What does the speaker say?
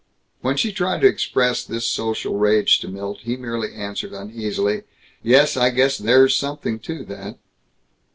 When she tried to express this social rage to Milt he merely answered uneasily, "Yes, I guess there's something to that."